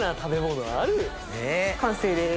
完成です。